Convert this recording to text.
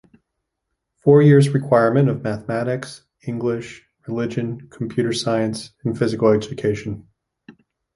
Four years requirement of mathematics, English, religion, computer science and physical education.